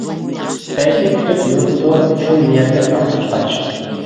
پەيتنى كۈتۈپ يۈرۈپتۇ، شۇم نىيەتلىك ئاق قۇشقاچ.